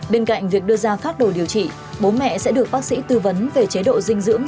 bên cạnh việc đưa ra phát đồ điều trị bố mẹ sẽ được bác sĩ tư vấn về chế độ dinh dưỡng